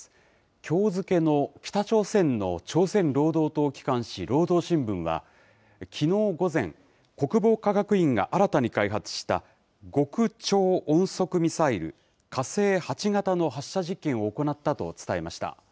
きょう付けの北朝鮮の朝鮮労働党機関紙、労働新聞は、きのう午前、国防科学院が新たに開発した、極超音速ミサイル、火星８型の発射実験を行ったと伝えました。